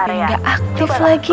aduh habis engga aktif lagi